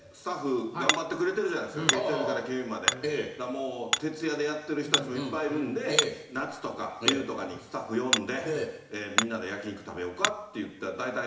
もう徹夜でやってる人達もいっぱいいるんで夏とか冬とかにスタッフ呼んでみんなで焼肉食べよかって言ったら大体。